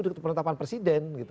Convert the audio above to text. di penetapan presiden